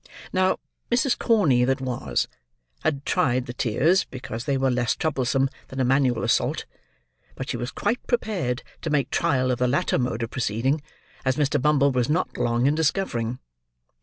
Now, Mrs. Corney that was, had tried the tears, because they were less troublesome than a manual assault; but, she was quite prepared to make trial of the latter mode of proceeding, as Mr. Bumble was not long in discovering.